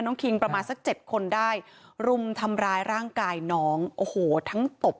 คิงประมาณสักเจ็ดคนได้รุมทำร้ายร่างกายน้องโอ้โหทั้งตบ